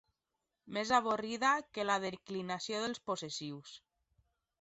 Més avorrida que la declinació dels possessius.